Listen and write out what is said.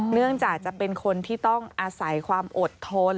เนื่องจากจะเป็นคนที่ต้องอาศัยความอดทน